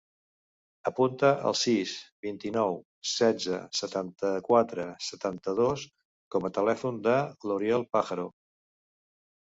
Apunta el sis, vint-i-nou, setze, setanta-quatre, setanta-dos com a telèfon de l'Oriol Pajaro.